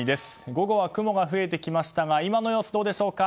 午後は雲が増えてきましたが今の様子どうでしょうか？